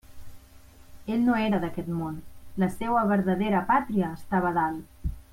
Ell no era d'aquest món; la seua verdadera pàtria estava dalt.